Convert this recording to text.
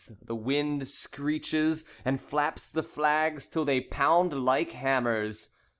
The wind screeches, and flaps the flags till they pound like hammers.